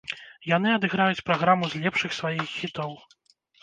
Яны адыграюць праграму з лепшых сваіх хітоў.